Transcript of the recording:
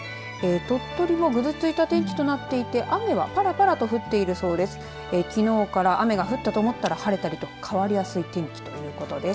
鳥取も、ぐずついた天気となっていて雨はぱらぱらと降っているそうです。